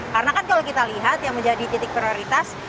karena kan kalau kita lihat yang menjadi titik prioritas